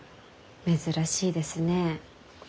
珍しいですね。